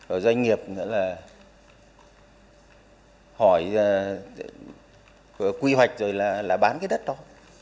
ở doanh nghiệp nữa là hỏi quy hoạch rồi là bán cái đất đó